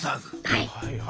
はい。